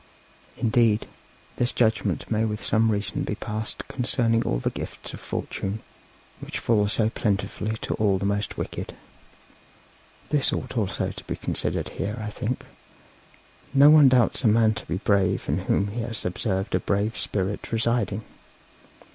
Indeed, this judgment may with some reason be passed concerning all the gifts of fortune which fall so plentifully to all the most wicked. This ought also to be considered here, I think: No one doubts a man to be brave in whom he has observed a brave spirit residing.